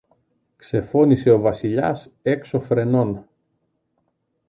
ξεφώνισε ο Βασιλιάς έξω φρενών.